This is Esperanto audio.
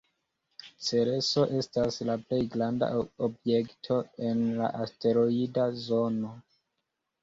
Cereso estas la plej granda objekto en la asteroida zono.